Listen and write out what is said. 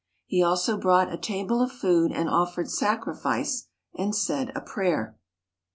He also brought a table of food and offered sacrifice, and said a prayer.